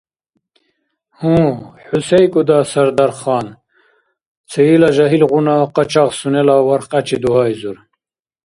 – Гьу, хӀу сейкӀуда, Сардархан? – циила жагьилгъуна къачагъ сунела вархкьячи дугьаизур.